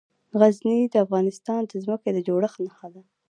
غزني د افغانستان د ځمکې د جوړښت نښه ده.